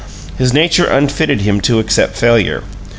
His nature unfitted him to accept failure.